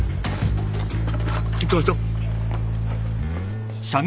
行きましょ。